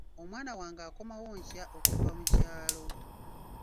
Omwana wange akomawo nkya okuva mu kyalo.